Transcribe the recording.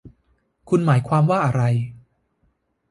คุณหมายความว่าอะไร